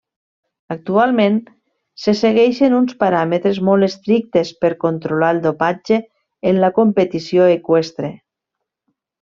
Actualment se segueixen uns paràmetres molt estrictes per controlar el dopatge en la competició eqüestre.